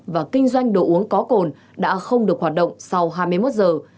và kinh doanh đồ uống có cồn đã không được hoạt động sau hai mươi một giờ